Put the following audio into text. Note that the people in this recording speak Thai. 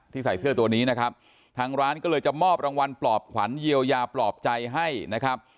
ใส่เสื้อตัวนี้นะครับทางร้านก็เลยจะมอบรางวัลปลอบขวัญเยียวยาปลอบใจให้นะครับ